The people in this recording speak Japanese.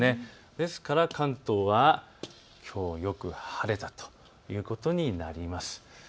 ですから関東はきょう、よく晴れたということになります。